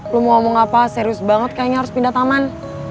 lu mau ngomong apa serius banget kayaknya harus pindah taman